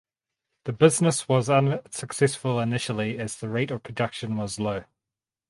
The business was unsuccessful initially as the rate of production was low.